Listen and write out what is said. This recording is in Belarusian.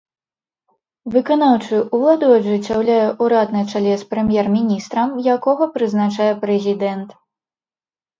Выканаўчую ўладу ажыццяўляе ўрад на чале з прэм'ер-міністрам, якога прызначае прэзідэнт.